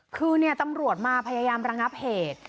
คือเนี้ยตำรวจมาพยายามลังงับเหตุ